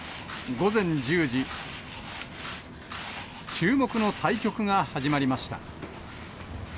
午前１０時、注目の対局が始まりました。